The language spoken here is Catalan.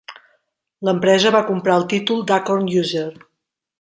L'empresa va comprar el títol d'Acorn User.